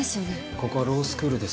ここはロースクールです。